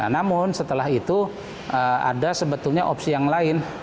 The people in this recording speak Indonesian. namun setelah itu ada sebetulnya opsi yang lain